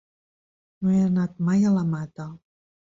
No he anat mai a la Mata.